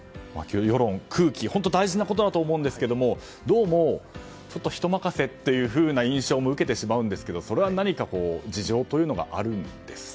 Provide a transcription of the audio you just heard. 世論、空気大事なことだと思いますがどうも人任せという印象も受けてしまうんですがそれは何か事情というのがあるんでしょうか。